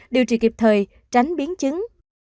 điều trị kịp thời tránh biến chứng